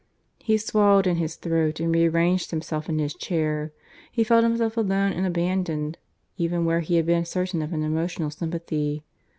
He swallowed in his throat and rearranged himself in his chair. He felt himself alone and abandoned, even where he had been certain of an emotional sympathy.